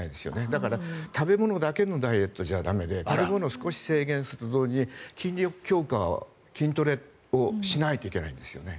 だから、食べ物だけのダイエットじゃ駄目で食べ物を少し制限すると同時に筋力強化、筋トレをしないといけないんですよね。